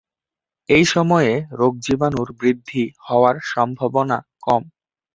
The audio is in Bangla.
এই সময়ে রোগজীবাণুর বৃদ্ধি হওয়ার সম্ভাবনা কম।